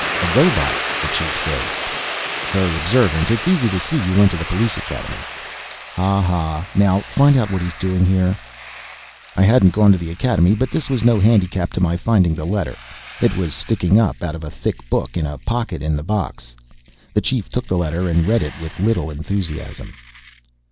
"A robot!" the Chief said. "Very observant; it's easy to see you went to the police academy." "Ha ha! Now find out what he's doing here." I hadn't gone to the academy, but this was no handicap to my finding the letter. It was sticking up out of a thick book in a pocket in the box. The Chief took the letter and read it with little enthusiasm.